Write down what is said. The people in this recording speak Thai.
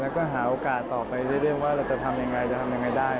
แล้วก็หาโอกาสต่อไปเรื่อยว่าเราจะทำยังไงจะทำยังไงได้